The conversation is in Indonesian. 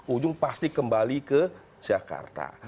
ujung pasti kembali ke jakarta